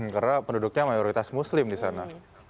karena penduduknya mayoritas muslim di sana